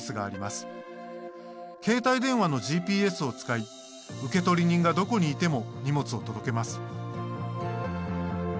携帯電話のＧＰＳを使い受取人がどこにいても荷物を届けます。